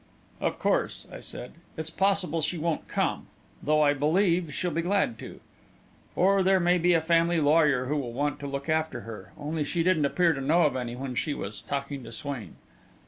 "Of course," I said, "it's possible she won't come though I believe she'll be glad to. Or there may be a family lawyer who will want to look after her. Only she didn't appear to know of any when she was talking to Swain."